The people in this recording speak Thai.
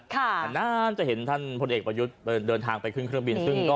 นานจะเห็นท่านพลเอกประยุทธ์เดินทางไปขึ้นเครื่องบินซึ่งก็